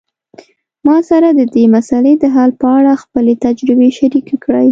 ما سره د دې مسئلې د حل په اړه خپلي تجربي شریکي کړئ